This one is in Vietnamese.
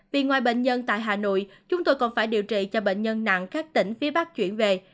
vì ngoài bệnh nhân tại hà nội chúng tôi còn phải điều trị cho bệnh nhân nặng các tỉnh phía bắc chuyển về